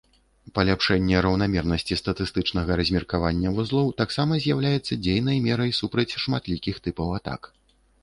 Паляпшэнне раўнамернасці статыстычнага размеркавання вузлоў таксама з'яўляецца дзейнай мерай супраць шматлікіх тыпаў атак.